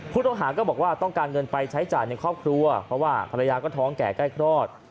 ผู้ต้องหาก็บอกว่าต้องการเงินไปใช้จ่ายในครอบครัวเพราะว่าภรรยาก็ท้องแก่ใกล้คลอด